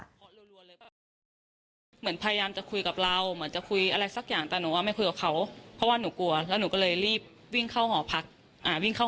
เรียกคนมาสแตมคีย์การ์ดให้เขาหน่อย